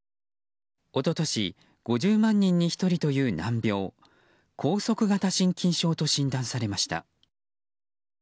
一昨年５０万人に１人という難病拘束型心筋症と診断されました。